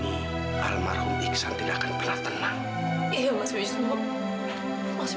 ibu apakah kamu akan berbeda dengan aisyah terhadap aisyah